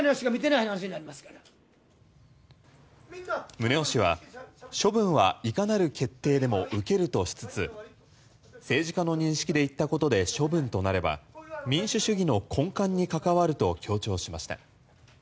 宗男氏は処分はいかなる決定でも受けるとしつつ政治家の認識で行ったことで処分となれば民主主義の根幹に関わると強調しました。